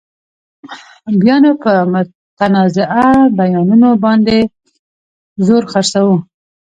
بیا نو په متنازعه بیانونو باندې زور خرڅوو.